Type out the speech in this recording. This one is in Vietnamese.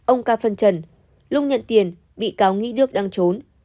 ông ca phân trần lúc nhận tiền bị cáo nghĩ đức đang trốn